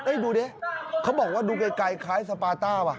ดูดิเขาบอกว่าดูไกลคล้ายสปาต้าว่ะ